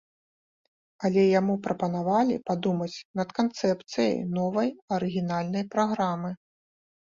Але яму прапанавалі падумаць над канцэпцыяй новай арыгінальнай праграмы.